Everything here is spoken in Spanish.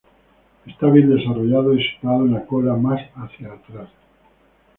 Está bien desarrollado y situado en la cola más hacia atrás.